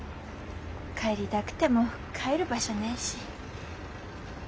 帰りだくても帰る場所ねし。